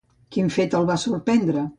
Quin fet el va sorprendre?